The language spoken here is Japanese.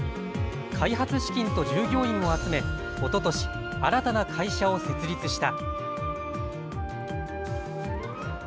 開発資金と従業員を集めおととし新たな会社を設立した。